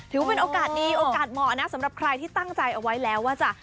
ถือว่าเป็นโอกาสดีโอกาสเหมาะนะสำหรับใครที่ตั้งใจเอาไว้แล้วว่าจะ